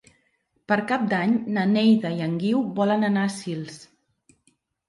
Per Cap d'Any na Neida i en Guiu volen anar a Sils.